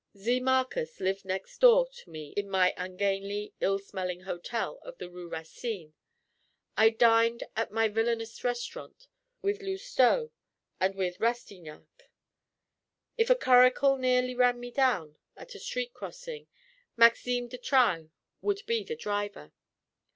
Z. Marcas lived next door to me in my ungainly, ill smelling hotel of the Rue Racine; I dined at my villainous restaurant with Lousteau and with Rastignac: if a curricle nearly ran me down at a street crossing, Maxime de Trailles would be the driver.